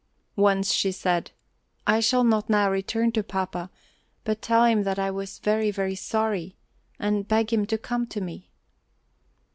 Once she said: "I shall not now return to papa, but tell him that I was very, very sorry and beg him to come to me."